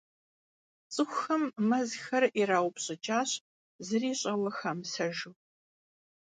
Ts'ıxuxem mezxer yirauşşts'ıç'aş, zıri ş'eue xamısejju.